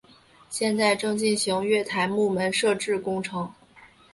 现在正进行月台幕门设置工程。